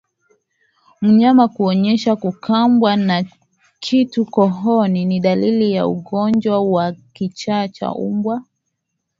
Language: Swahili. Mnyama kuonyesha kukabwa na kitu kooni ni dalili ya ugonjwa wa kichaa cha mbwa